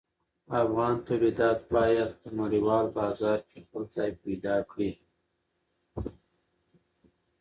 افغان تولیدات باید په نړیوالو بازارونو کې خپل ځای پیدا کړي.